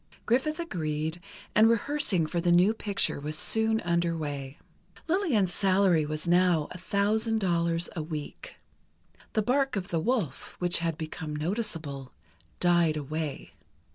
Griffith agreed, and rehearsing for the new picture was soon under way. Lillian's salary was now a thousand dollars a week. The bark of the wolf, which had become noticeable, died away.